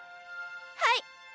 はい！